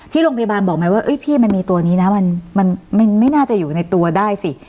โรงพยาบาลบอกไหมว่าพี่มันมีตัวนี้นะมันไม่น่าจะอยู่ในตัวได้สิ